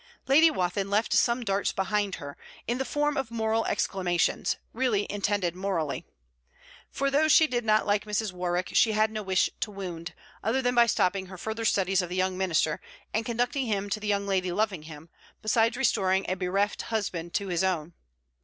Lady Wathin left some darts behind her, in the form of moral exclamations; and really intended morally. For though she did not like Mrs. Warwick, she had no wish to wound, other than by stopping her further studies of the Young Minister, and conducting him to the young lady loving him, besides restoring a bereft husband to his own.